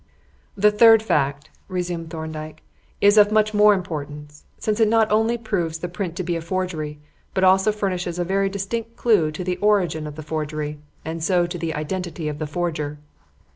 "The third fact," resumed Thorndyke, "is of much more importance, since it not only proves the print to be a forgery, but also furnishes a very distinct clue to the origin of the forgery, and so to the identity of the forger."